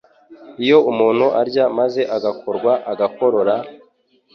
Iyo umuntu arya maze agakorwa agakorora,